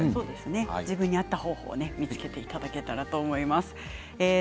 自分に合った方法を見つけていただければと思います。